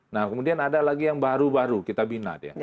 nah kemudian ada lagi yang baru baru kita bina